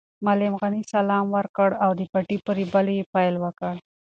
معلم غني سلام وکړ او د پټي په رېبلو یې پیل وکړ.